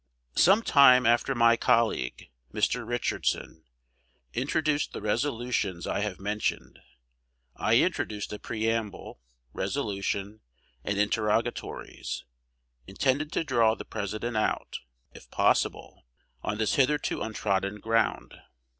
Some time after my colleague (Mr. Richardson) introduced the resolutions I have mentioned, I introduced a preamble, resolution, and interrogatories, intended to draw the President out, if possible, on this hitherto untrodden ground.